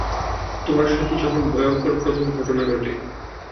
তোমার সাথে যখন ভয়ংকর ঘটনা প্রথম ঘটে?